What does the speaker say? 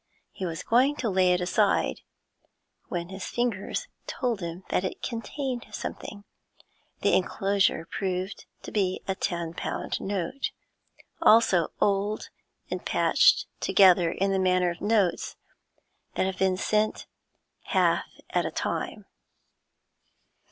He was going to lay it aside, when his fingers told him that it contained something; the enclosure proved to be a ten pound note, also old and patched together in the manner of notes that have been sent half at a time.